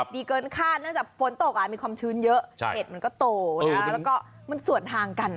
ดีเกินคาดเนื่องจากฝนตกมีความชื้นเยอะเห็ดมันก็โตนะแล้วก็มันส่วนทางกัน